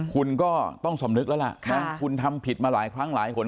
คุณก็ต้องสำนึกแล้วล่ะนะคุณทำผิดมาหลายครั้งหลายคน